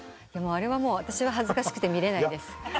あれは私は恥ずかしくて見られないです。